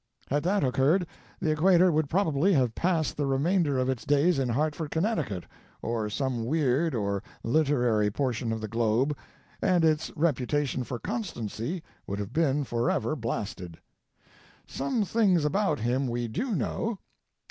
Had that occurred, the equator would probably have passed the remainder of its days in Hartford, Conn., or some weird or literary portion of the globe, and its reputation for constancy would have been forever blasted. "Some things about him we do know.